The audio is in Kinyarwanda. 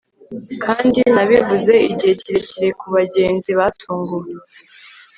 kandi, nabivuze igihe kirekire kubagenzi batunguwe